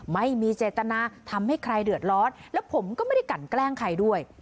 ไม่มีเจตนาทำให้ใครเดือดร้อนแล้วผมก็ไม่ได้กันแกล้งใครด้วย